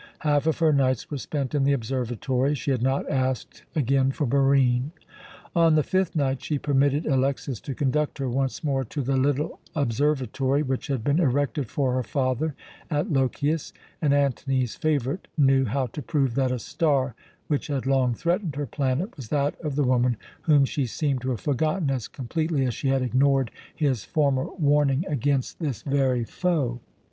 Half of her nights were spent in the observatory. She had not asked again for Barine. On the fifth night she permitted Alexas to conduct her once more to the little observatory which had been erected for her father at Lochias, and Antony's favourite knew how to prove that a star which had long threatened her planet was that of the woman whom she seemed to have forgotten as completely as she had ignored his former warning against this very foe.